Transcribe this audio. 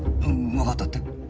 わかったって？